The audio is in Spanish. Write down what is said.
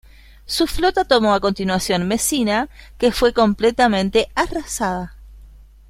Su flota tomó a continuación Mesina, que fue completamente arrasada.